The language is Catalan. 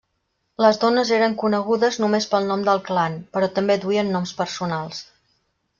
Les dones eren conegudes només pel nom del clan, però també duien noms personals.